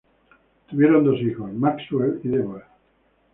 Tuvieron dos hijos, Maxwell y Deborah.